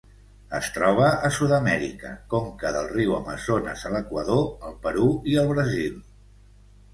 Es troba a Sud-amèrica: conca del riu Amazones a l'Equador, el Perú i el Brasil.